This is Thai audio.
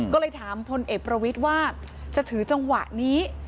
ก็เลยถามพลเอกประวิทย์ว่าจะถือจังหวะนี้